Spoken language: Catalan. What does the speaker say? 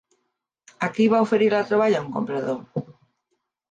A qui va oferir la troballa un comprador?